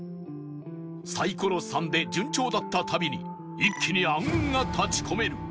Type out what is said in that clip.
サイコロ「３」で順調だった旅に一気に暗雲が立ち込める